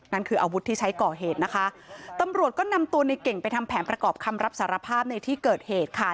นั่นคืออาวุธที่ใช้ก่อเหตุนะคะตำรวจก็นำตัวในเก่งไปทำแผนประกอบคำรับสารภาพในที่เกิดเหตุค่ะ